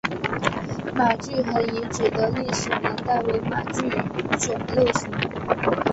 马聚垣遗址的历史年代为马家窑类型。